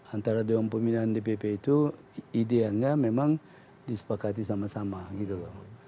antara dewan pembinaan dpp itu idealnya memang disepakati sama sama gitu loh